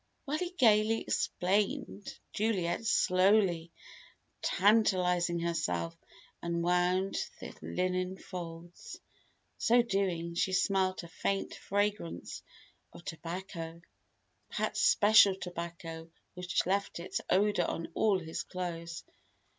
While he gaily explained, Juliet slowly tantalizing herself unwound the linen folds. So doing, she smelt a faint fragrance of tobacco Pat's special tobacco which left its odour on all his clothes.